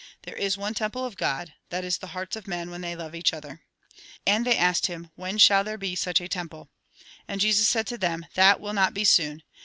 There is one temple of God ; that is, the hearts of men when they love each other." And they asked him :" When shall there be such a temple ?" And Jesus said to them : "That will not be soon.